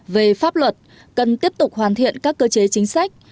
về pháp luật cần tiếp tục hoàn thiện các cơ chế chính sách